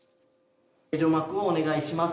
除幕をお願いします。